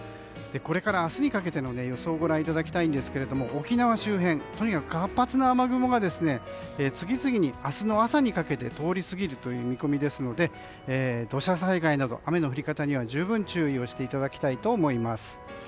これから明日にかけての予想をご覧いただきたいんですが沖縄周辺、活発な雨雲が次々に明日の朝にかけて通り過ぎるという見込みなので土砂災害など、雨の降り方には十分注意していただきたいと思います。